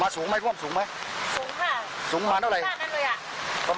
สูงความอ่ะโอ้สูงมาก